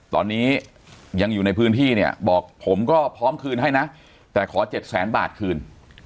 ตอนนี้ยังอยู่ในพื้นที่เนี่ยบอกผมก็พร้อมคืนให้นะแต่ขอ๗แสนบาทคืน